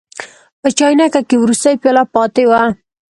په چاینکه کې وروستۍ پیاله پاتې وه.